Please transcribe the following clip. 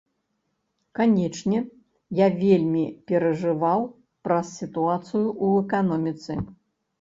Канечне, я вельмі перажываў праз сітуацыю ў эканоміцы.